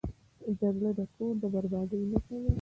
جګړه د کور د بربادۍ نښه ده